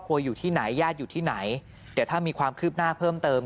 หลังจากพบศพผู้หญิงปริศนาตายตรงนี้ครับ